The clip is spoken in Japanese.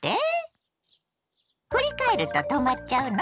振り返ると止まっちゃうの？